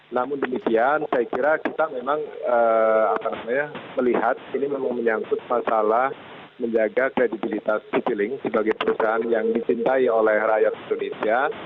namun demikian saya kira kita memang melihat ini memang menyangkut masalah menjaga kredibilitas citylink sebagai perusahaan yang dicintai oleh rakyat indonesia